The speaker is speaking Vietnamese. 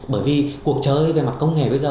bởi vì cuộc chơi về mặt công nghệ bây giờ